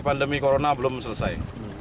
pandemi corona belum selesai